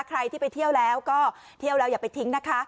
ใครที่ไปเที่ยวแล้วก็เที่ยวแล้วอย่าไปทิ้งนะคะ